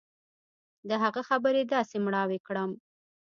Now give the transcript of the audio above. د هغه خبرې داسې مړاوى کړم.